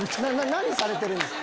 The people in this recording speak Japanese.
何されてるんですか？